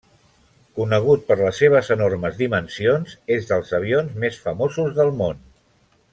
Conegut per les seves enormes dimensions, és dels avions més famosos del món.